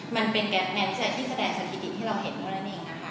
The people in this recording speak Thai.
มันเป็นแนววิจัยที่แสดงสถิติที่เราเห็นเท่านั้นเองนะคะ